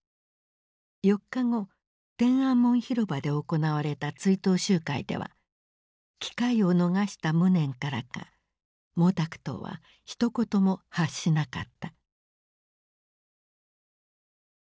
４日後天安門広場で行われた追悼集会では機会を逃した無念からか毛沢東はひと言も発しなかった。